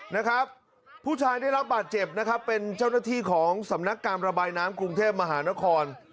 นะครับผู้ชายได้รับบาดเจ็บนะครับเป็นเจ้าหน้าที่ของสำนักการระบายน้ำกรุงเทพมหานคร